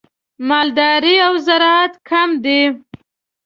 مالداري او زراعت کم دي.